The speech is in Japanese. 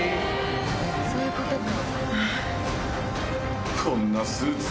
そういうことか。